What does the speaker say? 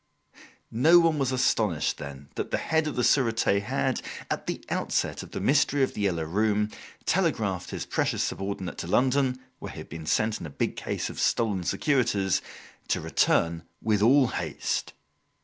No one was astonished, then, that the head of the Surete had, at the outset of the mystery of "The Yellow Room", telegraphed his precious subordinate to London, where he had been sent on a big case of stolen securities, to return with all haste.